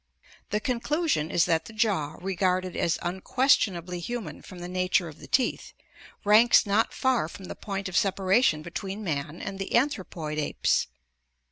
The conclusion is that the jaw, regarded as unquestion ably human from the na ture of the teeth, ranks not far from the point of sepa ration between man and the anthropoid apes.